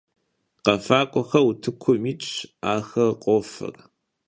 Khefak'uexer vutıkum yitş, axer khofer.